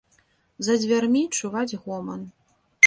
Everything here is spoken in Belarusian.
За дзвярмі чуваць гоман.